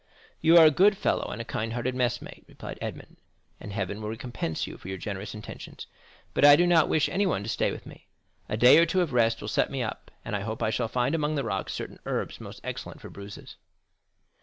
"You are a good fellow and a kind hearted messmate," replied Edmond, "and heaven will recompense you for your generous intentions; but I do not wish anyone to stay with me. A day or two of rest will set me up, and I hope I shall find among the rocks certain herbs most excellent for bruises."